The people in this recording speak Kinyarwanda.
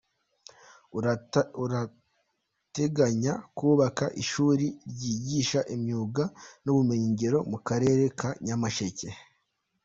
Urateganya kubaka ishuri ryigisha imyuga n’ubumenyingiro mu Karere ka Nyamasheke.